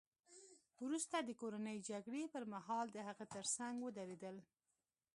وروسته د کورنۍ جګړې پرمهال د هغه ترڅنګ ودرېدل